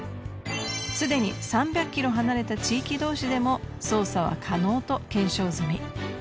すでに３００キロ離れた地域同士でも操作は可能と検証済み。